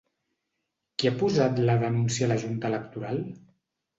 Qui ha posat la denúncia a la Junta electoral?